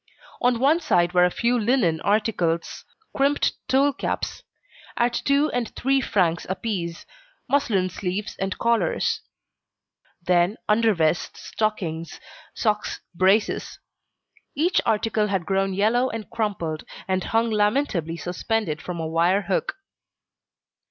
On one side were a few linen articles: crimped tulle caps at two and three francs apiece, muslin sleeves and collars: then undervests, stockings, socks, braces. Each article had grown yellow and crumpled, and hung lamentably suspended from a wire hook.